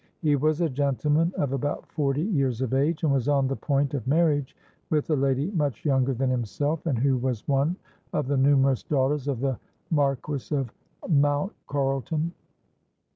He was a gentleman of about forty years of age, and was on the point of marriage with a lady much younger than himself, and who was one of the numerous daughters of the Marquis of Mountcharlton.